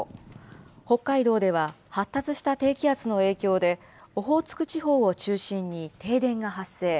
北海道では発達した低気圧の影響で、オホーツク地方を中心に停電が発生。